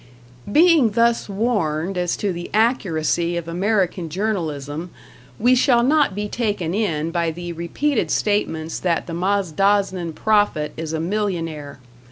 Being thus warned as to the accuracy of American journalism, we shall not be taken in by the repeated statements that the Mazdaznan prophet is a millionaire.